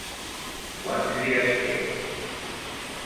Quants dies té?